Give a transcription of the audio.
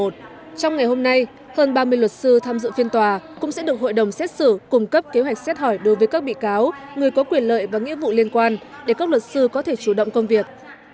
trong ngày hôm nay hơn ba mươi luật sư tham dự phiên tòa cũng sẽ được hội đồng xét xử cung cấp kế hoạch xét hỏi đối với các bị cáo người có quyền lợi và nghĩa vụ liên quan để các luật sư có thể chủ động công việc